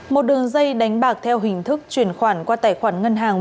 một đường dây đánh bạc theo hình thức chuyển khoản qua tài khoản ngân hàng